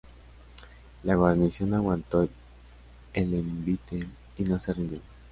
La guarnición aguantó el envite y no se rindió.